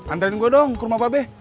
antarin gue dong ke rumah pak be